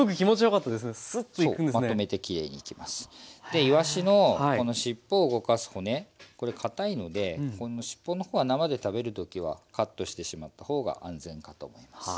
でいわしのこの尻尾を動かす骨これかたいので尻尾の方は生で食べる時はカットしてしまった方が安全かと思います。